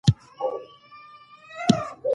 انارګل د مېنې لپاره پسه حلال کړ.